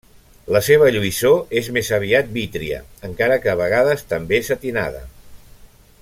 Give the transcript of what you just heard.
La seva lluïssor és més aviat vítria, encara que a vegades també setinada.